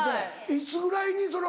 いつぐらいにその？